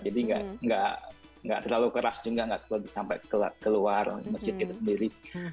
jadi nggak terlalu keras juga nggak sampai keluar masjid itu sendiri